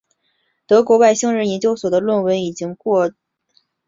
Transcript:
德国外星人研究所的论文已经过火星人的同行审批，公信力不容置疑。